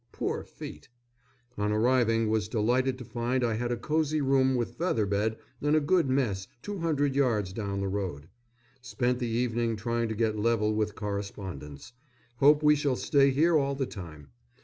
Poor feet! On arriving was delighted to find I had a cosy room with feather bed and a good mess 200 yards down the road. Spent the evening trying to get level with correspondence. Hope we shall stay here all the time.